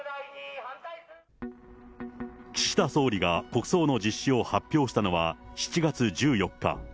岸田総理が国葬の実施を発表したのは７月１４日。